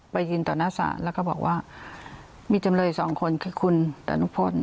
ไปยืนต่อหน้าศาลแล้วก็บอกว่ามีจำเลยสองคนคือคุณดานุพล